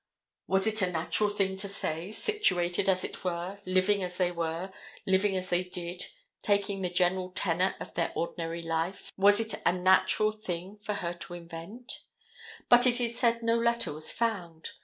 Was it a natural thing to say, situated as they were, living as they were, living as they did, taking the general tenor of their ordinary life, was it a natural thing for her to invent? But it is said no letter was found.